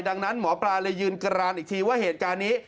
ดังนั้นหมอปลาเลยยืนกรานอีกทีว่าเหตุการณ์นี้